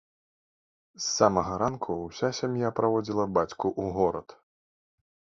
З самага ранку ўся сям'я праводзіла бацьку ў горад.